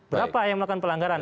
berapa yang melakukan pelanggaran